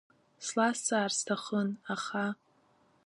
Слазҵаар сҭахын, аха…